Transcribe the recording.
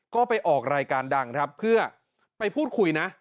ก็ไปออกรายการดังเพื่อไปพูดคุย